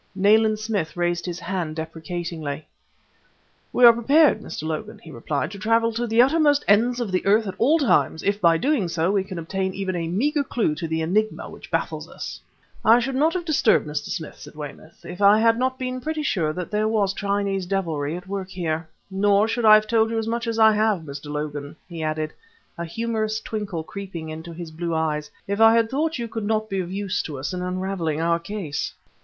Nayland Smith raised his hand deprecatingly. "We are prepared, Mr. Logan," he replied, "to travel to the uttermost ends of the earth at all times, if by doing so we can obtain even a meager clue to the enigma which baffles us." "I should not have disturbed Mr. Smith," said Weymouth, "if I had not been pretty sure that there was Chinese devilry at work here: nor should I have told you as much as I have, Mr. Logan," he added, a humorous twinkle creeping into his blue eyes, "if I had thought you could not be of use to us in unraveling our case!"